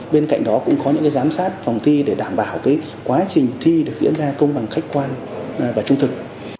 bên cạnh đó cũng có những giám sát phòng thi để đảm bảo quá trình thi được diễn ra công bằng khách quan và trung thực